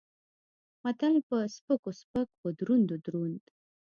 متل: په سپکو سپک په درونو دروند.